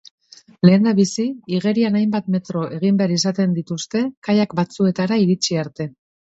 Lehendabizi igerian hainbat metro egin behar izan dituzte kayak batzuetara iritsi arte.